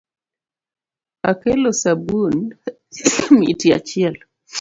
Akelo sabun miti achiel.